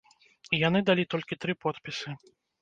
І яны далі толькі тры подпісы.